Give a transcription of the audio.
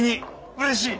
うれしい。